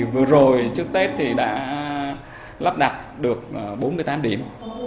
vừa rồi trước tết thì đã lắp đặt được bốn mươi tám điểm